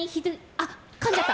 あっ、かんじゃった！